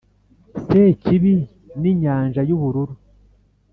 sekibi ninyanja yubururu